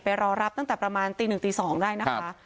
รอรับตั้งแต่ประมาณตี๑ตี๒ได้นะคะ